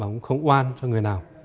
và cũng không oan cho người nào